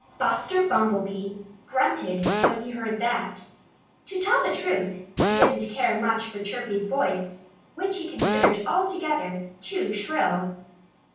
Buster Bumblebee grunted when he heard that. To tell the truth, he didn't care much for Chirpy's voice, which he considered altogether too shrill.